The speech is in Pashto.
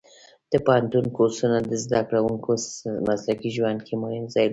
د پوهنتون کورسونه د زده کوونکو مسلکي ژوند کې مهم ځای لري.